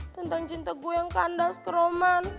tentang cinta gue yang kandas ke roman